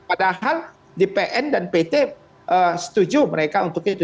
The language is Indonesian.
padahal di pn dan pt setuju mereka untuk itu